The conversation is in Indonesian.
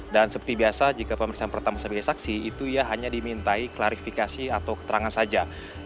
dan seperti biasa jika pemeriksaan pertama sebagai saksi itu ya hanya dimintai klarifikasi atau keterangan saja